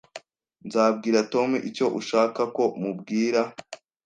Nzabwira Tom icyo ushaka ko mubwira